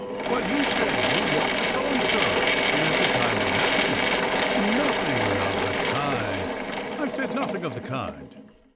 "Well, you said you wrote the song, sir, and at the time it happened." "Nothing of the kind — I said nothing of the kind.